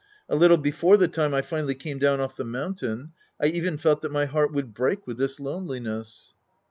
A little before the time I finally came down off the mountain, I even felt that my heart would break with this loneliness.